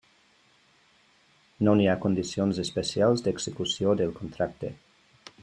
No n'hi ha condicions especials d'execució del contracte.